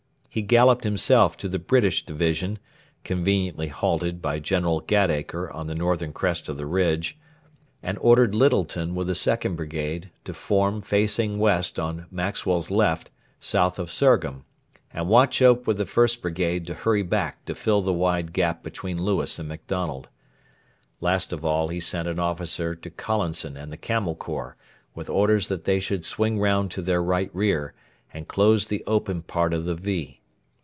He galloped himself to the British division conveniently halted by General Gatacre on the northern crest of the ridge and ordered Lyttelton with the 2nd Brigade to form facing west on Maxwell's left south of Surgham, and Wauchope with the 1st Brigade to hurry back to fill the wide gap between Lewis and MacDonald. Last of all he sent an officer to Collinson and the Camel Corps with orders that they should swing round to their right rear and close the open part of the "V".